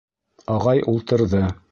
Ағай ултырҙы.